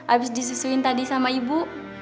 abis disusuin tadi sama ibu